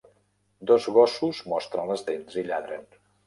Dos gossos mostren les dents i lladren.